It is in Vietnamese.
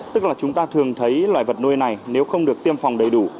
tức là chúng ta thường thấy loài vật nuôi này nếu không được tiêm phòng đầy đủ